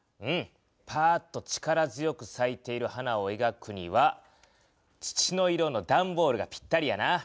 パーッと力強くさいている花をえがくには土の色のだんボールがぴったりやな。